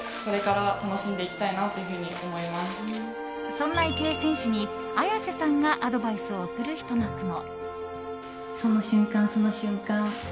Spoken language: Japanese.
そんな池江選手に綾瀬さんがアドバイスを送るひと幕も。